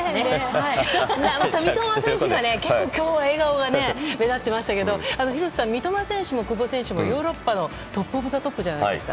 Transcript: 三笘選手が、結構今日は笑顔が目立っていましたけど廣瀬さん三笘選手も久保選手もヨーロッパのトップオブザトップじゃないですか。